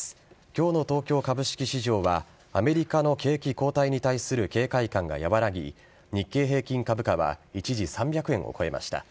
今日の東京株式市場はアメリカの景気後退に対する警戒感が和らぎ日経平均株価は一時３００円を超えました。